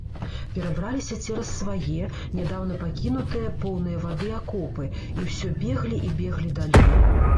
Перабраліся цераз свае, нядаўна пакінутыя, поўныя вады акопы і ўсё беглі і беглі далей.